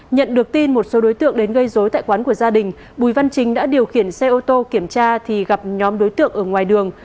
nhận được tin một số đối tượng đến gây dối tại quán của gia đình bùi văn chính đã điều khiển xe ô tô kiểm tra thì gặp nhóm đối tượng ở ngoài đường